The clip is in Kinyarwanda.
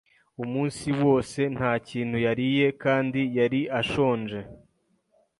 Umunsi wose nta kintu yariye kandi yari ashonje.